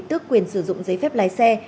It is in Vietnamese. tước quyền sử dụng giấy phép lái xe